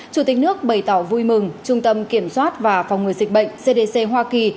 chủ tịch nước bày tỏ vui mừng trung tâm kiểm soát và phòng ngừa dịch bệnh cdc hoa kỳ